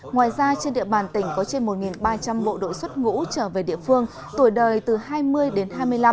ngoài ra trên địa bàn tỉnh có trên một ba trăm linh bộ đội xuất ngũ trở về địa phương tuổi đời từ hai mươi đến hai mươi năm